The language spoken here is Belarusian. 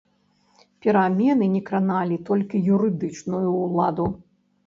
Перамены не краналі толькі юрыдычную ўладу.